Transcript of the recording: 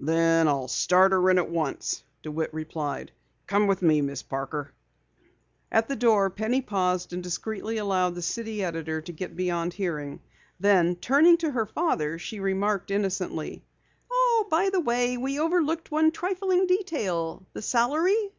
"Then I'll start her in at once," DeWitt replied. "Come with me, Miss Parker." At the door Penny paused and discreetly allowed the city editor to get beyond hearing. Then, turning to her father she remarked innocently: "Oh, by the way, we overlooked one trifling detail. The salary!"